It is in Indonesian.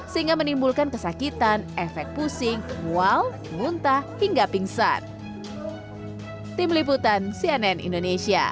sehingga menimbulkan kesakitan efek pusing mual muntah hingga pingsan